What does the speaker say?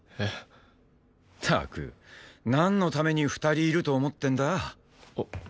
ったくなんのために２人いると思ってんだ？